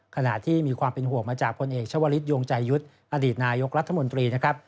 ขณะที่มีความเป็นห่วงมาจากพลเอกชาวลิศยวงใจยุทธ์อดีตนายกรัฐมนตรีนะครับ